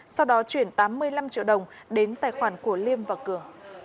sau đó chuyển tám mươi năm triệu đồng đến tài khoản của liêm vào cửa